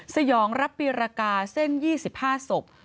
สยองรับปีรกาเส้น๒๕ศพ